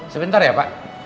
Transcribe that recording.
sebentar ya pak